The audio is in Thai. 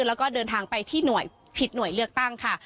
แล้วก็เดินทางไปที่หน่วยผิดหน่วยเลือกตั้งค่ะ